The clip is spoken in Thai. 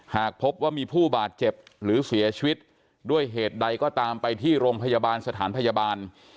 หากพบว่ามีผู้บาดเจ็บหรือเสียชีวิตด้วยเหตุใดก็ตามไปที่โรงพยาบาลสถานพยาบาล